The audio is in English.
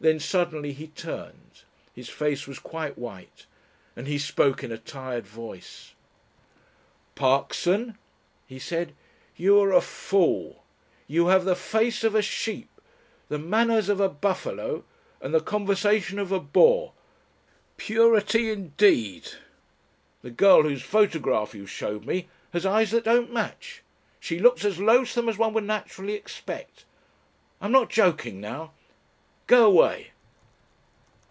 Then suddenly he turned. His face was quite white and he spoke in a tired voice. "Parkson," he said, "you are a fool!... You have the face of a sheep, the manners of a buffalo, and the conversation of a bore, Pewrity indeed!... The girl whose photograph you showed me has eyes that don't match. She looks as loathsome as one would naturally expect.... I'm not joking now.... Go away!"